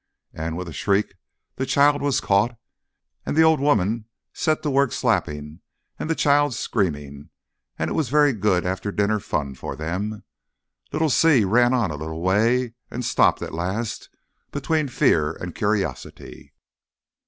And with a shriek the child was caught and the old woman set to work slapping and the child screaming, and it was very good after dinner fun for them. Little Si ran on a little way and stopped at last between fear and curiosity.